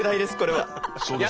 はい。